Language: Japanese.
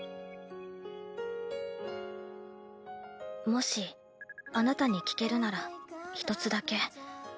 ・（「もし、あなたに聞けるなら、ひとつだけ」